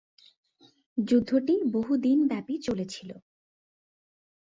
যুদ্ধটি বহুদিন ব্যাপী চলেছিল।